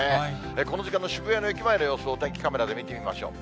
この時間の渋谷の駅前の様子を、お天気カメラで見てみましょう。